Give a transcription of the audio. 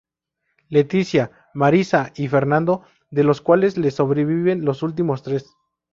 Leticia, Marissa y Fernando, de los cuales le sobreviven los últimos tres.